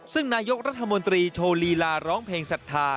ซึ่งนายกรัฐมนตรีโชว์ลีลาร้องเพลงศรัทธา